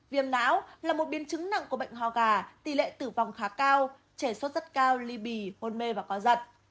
viêm não là một biên chứng nặng của bệnh hoa gà tỷ lệ tử vong khá cao trẻ xuất rất cao ly bì hôn mê và có giật